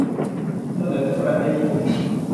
เสนอโดยประเทศญี่ปุ่น